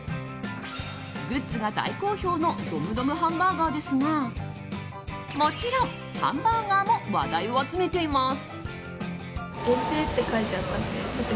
グッズが大好評のドムドムハンバーガーですがもちろんハンバーガーも話題を集めています。